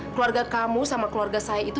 keluarga kamu sama keluarga saya itu